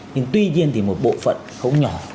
nhưng tuy nhiên thì một bộ phận không nhỏ